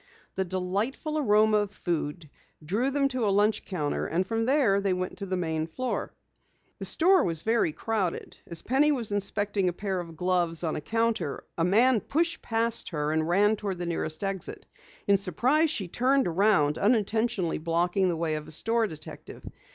The delightful aroma of food drew them to a lunch counter, and from there they went to the main floor. The store was very crowded. As Penny was inspecting a pair of gloves on a counter, a man pushed past her, and ran toward the nearest exit. In surprise she turned around, unintentionally blocking the way of a store detective.